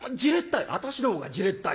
「私のほうがじれったいよ。